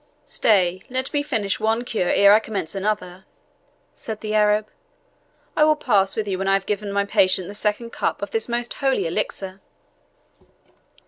"Stay, let me finish one cure ere I commence another," said the Arab; "I will pass with you when I have given my patient the second cup of this most holy elixir."